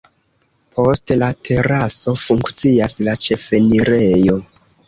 Post la teraso funkcias la ĉefenirejo.